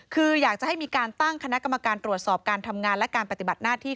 คืออยากจะให้มีการตั้งคณะกรรมการตรวจสอบการทำงานและการปฏิบัติหน้าที่